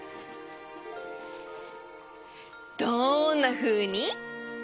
どんなふうに？